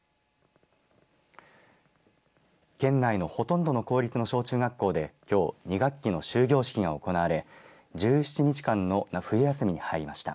県内のほとんどの公立の小中学校できょう２学期の終業式が行われ１７日間の冬休みに入りました。